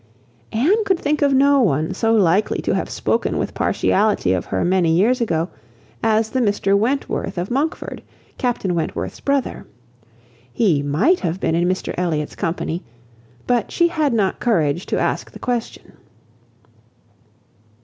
Anne could think of no one so likely to have spoken with partiality of her many years ago as the Mr Wentworth of Monkford, Captain Wentworth's brother. He might have been in Mr Elliot's company, but she had not courage to ask the question.